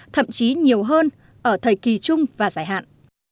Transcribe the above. thậm chí nhiều hơn ở thời kỳ chung và giải hạn